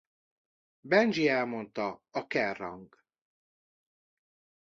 Benji elmondta a Kerrang!